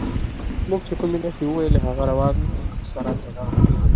موږ چې کومې نښې وویلې هغه روان سره تړاو لري.